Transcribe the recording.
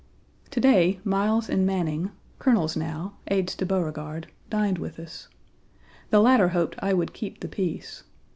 To day Miles and Manning, colonels now, aides to Beauregard, dined with us. The latter hoped I would keep the peace.